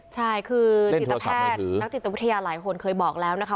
ใช่คือจิตแพทย์นักจิตวิทยาหลายคนเคยบอกแล้วนะคะ